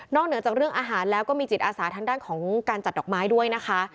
เหนือจากเรื่องอาหารแล้วก็มีจิตอาสาทางด้านของการจัดดอกไม้ด้วยนะคะ